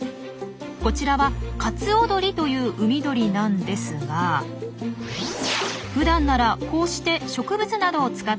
こちらはカツオドリという海鳥なんですがふだんならこうして植物などを使って巣を作っています。